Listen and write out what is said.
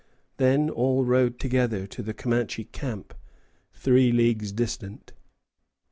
Then all rode together to the Comanche camp, three leagues distant.